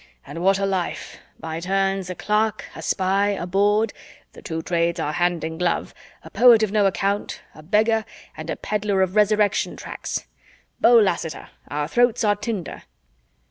And what a life! By turns a clerk, a spy, a bawd the two trades are hand in glove a poet of no account, a beggar, and a peddler of resurrection tracts. Beau Lassiter, our throats are tinder!"